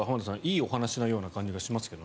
いいお話のような気がしますけどね。